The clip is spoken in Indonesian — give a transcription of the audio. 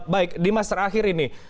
baik dimas terakhir ini